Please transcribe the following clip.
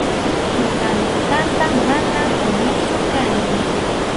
Tutan tutanta, mana puñuqchu kani.